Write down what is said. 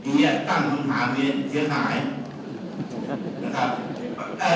นี้ตั้งคำถามที่จะหาย